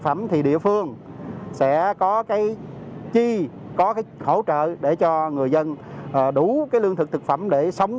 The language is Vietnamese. phẩm thì địa phương sẽ có cái chi có cái hỗ trợ để cho người dân đủ cái lương thực thực phẩm để sống